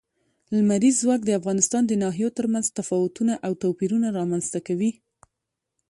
لمریز ځواک د افغانستان د ناحیو ترمنځ تفاوتونه او توپیرونه رامنځ ته کوي.